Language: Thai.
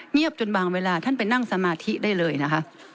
จนบางเวลาท่านไปนั่งสมาธิได้เลยนะคะ